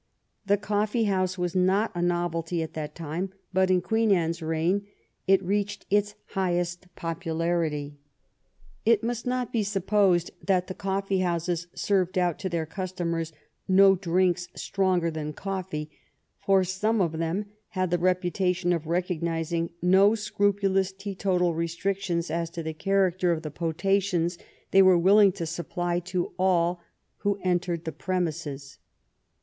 The coffee house was not a novelty at that time, but in Queen Anne's reign it reached its highest popularity. It must not be supposed that the coffee houses served out to their customers no drinks stronger than coffee; for some of them had the reputation of recognizing no scrupulous teetotal restrictions as to the character of the potations they were willing to supply to all who entered the premises.